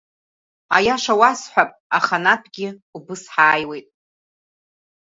Аиаша уасҳәап, аханатәгьы убас ҳааиуеит.